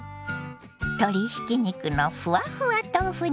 鶏ひき肉のふわふわ豆腐